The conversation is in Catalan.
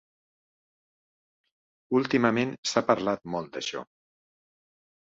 Últimament s'ha parlat molt d'això.